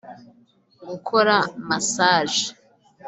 Gukora massage